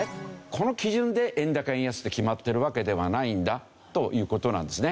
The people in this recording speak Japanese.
この基準で円高円安って決まってるわけではないんだという事なんですね。